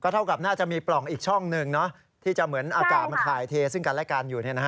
เท่ากับน่าจะมีปล่องอีกช่องหนึ่งที่จะเหมือนอากาศมันถ่ายเทซึ่งกันและกันอยู่